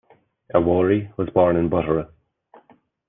Awori was born in Butere.